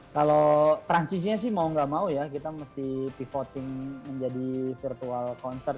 kalau transisinya sih mau nggak mau ya kita mesti pivoting menjadi virtual concert